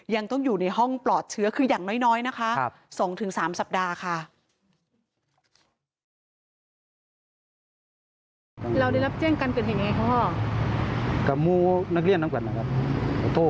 ยังต้องอยู่ในห้องปลอดเชื้อคืออย่างน้อยนะครับ